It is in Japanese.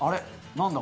何だ？